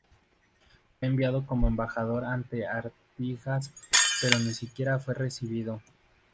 Fue enviado como embajador ante Artigas, pero ni siquiera fue recibido.